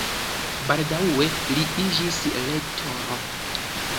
Baldaŭe li iĝis rektoro.